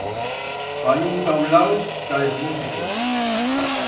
Fan un taulau ta es mosicos.